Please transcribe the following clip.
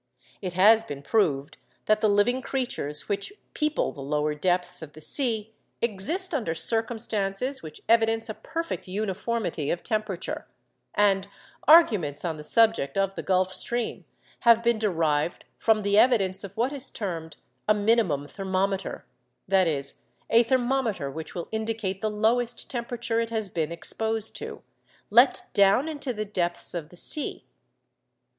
It has been proved that the living creatures which people the lower depths of the sea exist under circumstances which evidence a perfect uniformity of temperature; and arguments on the subject of the Gulf Stream have been derived from the evidence of what is termed a minimum thermometer—that is, a thermometer which will indicate the lowest temperature it has been exposed to—let down into the depths of the sea.